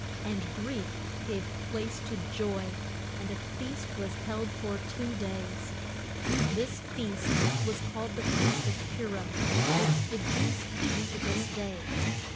And grief gave place to joy, and a feast was held for two days. This feast was called the Feast of Pu rim, which the Jews keep to this day.